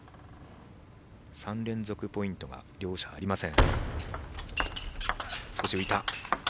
３連続ポイントが両者ありません。